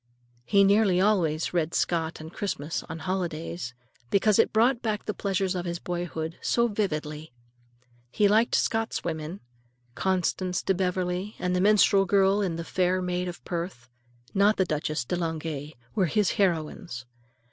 He nearly always read Scott on Christmas and holidays, because it brought back the pleasures of his boyhood so vividly. He liked Scott's women. Constance de Beverley and the minstrel girl in "The Fair Maid of Perth," not the Duchesse de Langeais, were his heroines.